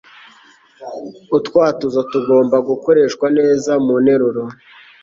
utwatuzo tugomba gukoreshwa neza mu nteruro